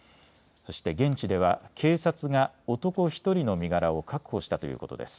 そして現地では警察が男１人の身柄を確保したということです。